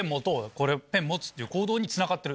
これペン持つっていう行動につながってる。